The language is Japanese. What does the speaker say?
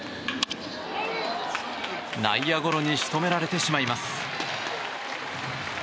内野ゴロに仕留められてしまいます。